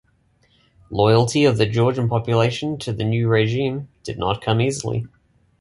Loyalty of the Georgian population to the new regime did not come easily.